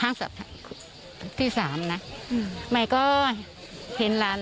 อะล่ะห๊ะตอบที่ว่าอะไรนะครับ